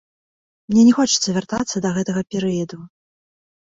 Мне не хочацца вяртацца да гэтага перыяду.